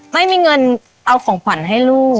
ไม่มีเงินเอาของขวัญให้ลูก